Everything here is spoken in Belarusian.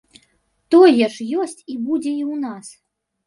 Тое ж ёсць і будзе і ў нас.